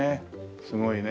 すごいね。